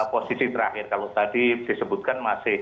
posisi terakhir kalau tadi disebutkan masih